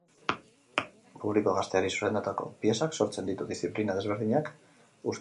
Publiko gazteari zuzendutako piezak sortzen ditu, diziplina ezberdinak uztartuz.